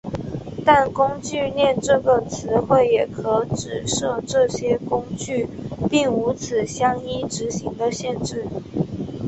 但工具链这个词汇也可指涉这些工具并无此相依执行的限制。